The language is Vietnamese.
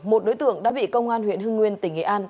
một đối tượng đã bị công an huyện hưng nguyên tỉnh nghệ an